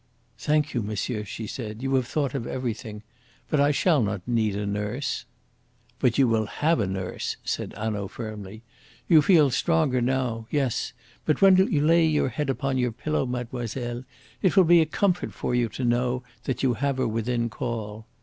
"Thank you, monsieur," she said; "you have thought of everything. But I shall not need a nurse." "But you will have a nurse," said Hanaud firmly. "You feel stronger now yes, but when you lay your head upon your pillow, mademoiselle, it will be a comfort to you to know that you have her within call.